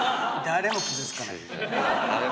誰も傷つかない。